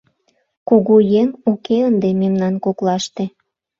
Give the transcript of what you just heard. Кугу еҥ уке ынде мемнан коклаште.